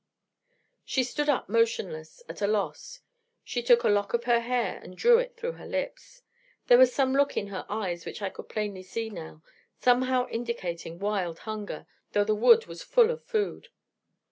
She stood up motionless, at a loss. She took a lock of her hair, and drew it through her lips. There was some look in her eyes, which I could plainly see now, somehow indicating wild hunger, though the wood was full of food.